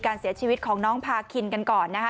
การเสียชีวิตของน้องพาคินกันก่อนนะคะ